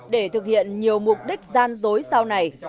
để thực hiện nhiều mục đích gian dối sau này